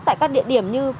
tại các địa điểm như